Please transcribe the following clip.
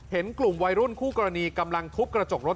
เห็นกลุ่มวัยรุ่นคู่กรณีกำลังทุบกระจกรถ